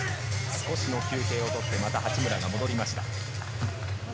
少しの休憩を取って、また八村が戻りました。